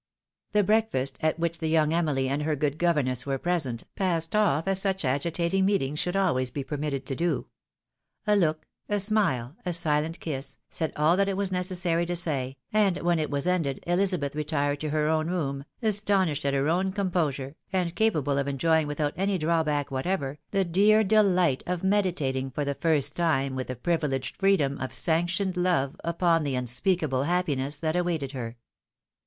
The breakfast, at which the young Emily and her good governess were present, passed off as such agitaling meetings should always be permitted to do. A look, a smile, a silent kiss, said all that it was necessary to say, and when it was ended Ehzabetk retired to her own room, astonished at her own com posure, and capable of enjoying without any drawback whatever, the dear delight of meditating for the first time with the pri vileged freedom of sanctioned love upon the unspeakable happi ness that awaited her.